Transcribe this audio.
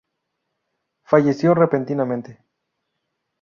Falleció repentinamente.